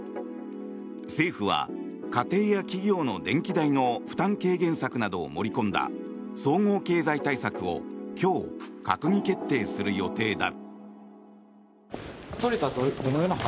政府は家庭や企業の電気代の負担軽減策などを盛り込んだ総合経済対策を今日、閣議決定する予定だ。